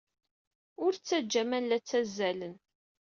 Ur ttajja aman la ttazzalen.